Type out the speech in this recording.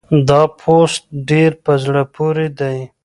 دا پوسټ ډېر په زړه پورې دی.